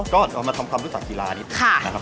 ก็เอามาทำความรู้จักกีฬานิดนึงนะครับ